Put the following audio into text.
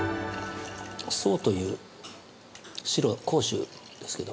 ◆霜という白甲州ですけど